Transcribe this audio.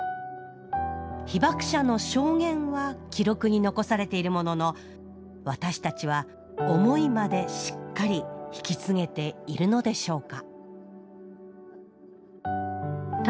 被爆者の証言は記録に残されているものの私たちは「思い」までしっかり引き継げているのでしょうか？